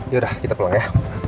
yaudah kita pulang ya